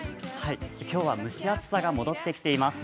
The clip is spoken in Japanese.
今日は蒸し暑さが戻ってきています。